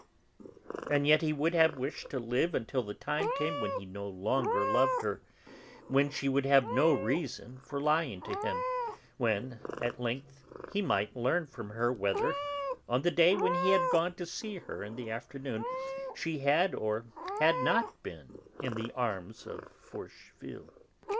And yet he would have wished to live until the time came when he no longer loved her, when she would have no reason for lying to him, when at length he might learn from her whether, on the day when he had gone to see her in the afternoon, she had or had not been in the arms of Forcheville.